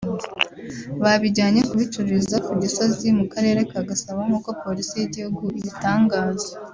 babijyanye kubicururiza ku Gisozi mu karere ka Gasabo; nk’uko polisi y’igihugu ibitangaza